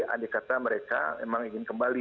andai kata mereka memang ingin kembali